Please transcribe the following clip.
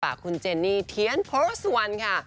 ปากคุณเจนนี่เทียนเพอร์สวันค่ะ